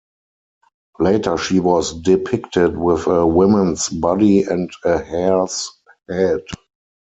Later she was depicted with a woman's body and a hare's head.